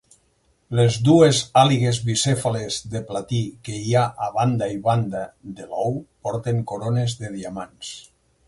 Les dues àligues bicèfales de platí que hi ha a banda i banda de l'ou porten corones de diamants.